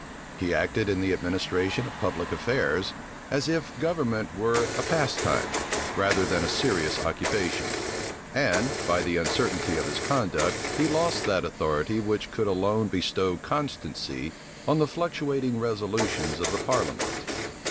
He acted in the administration of public affairs, as if government were a pastime, rather than a serious occupation; and, by the uncertainty of his conduct he lost that authority which could alone bestow constancy on the fluctuating resolutions of the parliament.